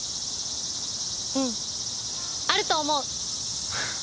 うんあると思う。